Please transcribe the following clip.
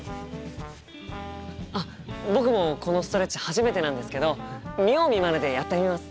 あっ僕もこのストレッチ初めてなんですけど見よう見まねでやってみます。